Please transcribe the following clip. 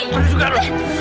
kau juga raffi